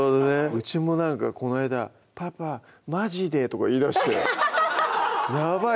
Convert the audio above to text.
うちもなんかこないだ「パパマジで？」とか言いだしてやばい